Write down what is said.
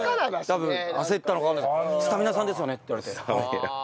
多分焦ったのかわかんないですけど「スタミナさんですよね？」って言われて。